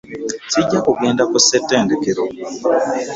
Sijja kugenda ku ssettendekero.